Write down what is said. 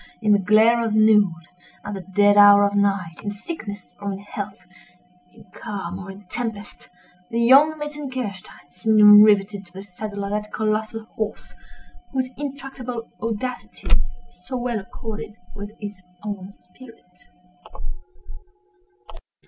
In the glare of noon—at the dead hour of night—in sickness or in health—in calm or in tempest—the young Metzengerstein seemed rivetted to the saddle of that colossal horse, whose intractable audacities so well accorded with his own spirit.